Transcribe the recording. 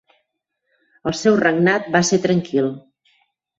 El seu regnat va ser tranquil.